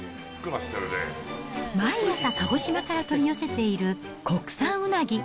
毎朝、鹿児島から取り寄せている国産うなぎ。